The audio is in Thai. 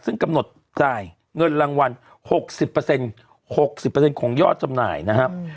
ซึ่งกำหนดจ่ายเงินรางวัล๖๐๖๐ของยอดจำหน่ายนะครับ